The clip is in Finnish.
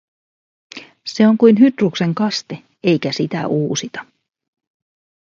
Se on kuin Hydruksen kaste, eikä sitä uusita.